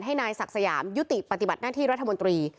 ให้นายศักดิ์สยามยุติปฏิบัติหน้าที่รัฐมนตรี